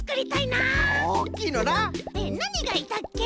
なにがいたっけ？